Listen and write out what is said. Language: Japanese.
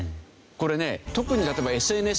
これね特に例えばＳＮＳ上でね